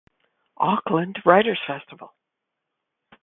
Auckland Writers Festival.